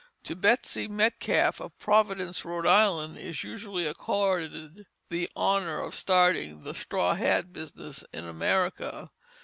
To Betsey Metcalf of Providence, Rhode Island, is usually accorded the honor of starting the straw hat business in America.